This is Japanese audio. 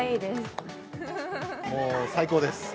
もう最高です。